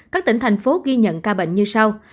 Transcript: các tỉnh thành phố ghi nhận ca bệnh như sau